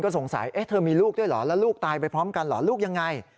สงสัยเธอมีลูกด้วยเหรอแล้วลูกตายไปพร้อมกันเหรอลูกยังไง